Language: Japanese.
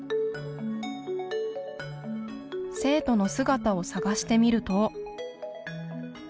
生徒の姿を探してみると。